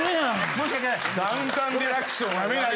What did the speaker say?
申し訳ないです。